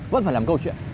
vẫn phải làm câu chuyện